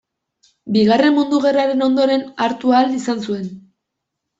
Bigarren Mundu Gerraren ondoren hartu ahal izan zuen.